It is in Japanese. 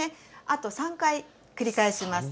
あと３回繰り返します。